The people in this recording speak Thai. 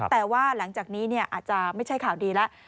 แต่ว่าหลังจากนี้อาจจะไม่ใช่ข่าวดีแล้ว